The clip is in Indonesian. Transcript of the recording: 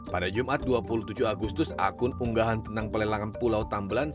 pada jumat dua puluh tujuh agustus akun unggahan tentang pelelangan pulau tambelanja